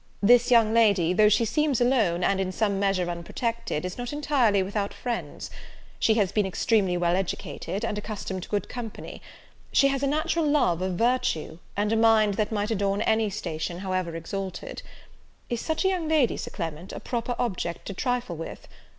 This young lady, though she seems alone, and, in some measure, unprotected, is not entirely without friends; she has been extremely well educated, and accustomed to good company; she has a natural love of virtue, and a mind that might adorn any station, however exalted: is such a young lady, Sir Clement, a proper object to trifle with?